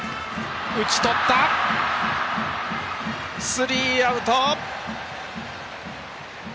スリーアウト。